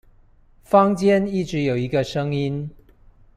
坊間一直有一個聲音